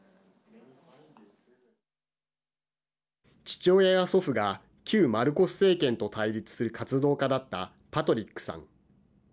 父親や祖父が旧マルコス政権と対立する活動家だったパトリックさん。